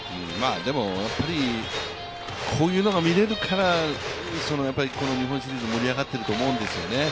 でもやっぱり、こういうのが見られるから日本シリーズ、盛り上がっていると思うんですよね。